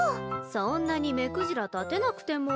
そんなに目くじら立てなくても。